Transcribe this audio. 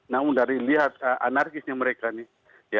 namun dari lihat anarkisnya mereka nih ya mereka termaksud kecewa